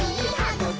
ぐき！